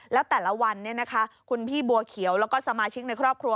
แล้วแต่ละวันคุณพี่บัวเขียวแล้วก็สมาชิกในครอบครัว